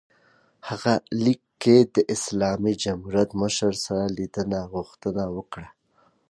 هغه لیک کې د اسلامي جمهوریت مشر سره لیدنې غوښتنه وکړه.